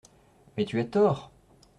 Mais tu as tort !